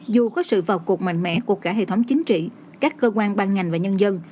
dù có sự vào cuộc mạnh mẽ của cả hệ thống chính trị các cơ quan ban ngành và nhân dân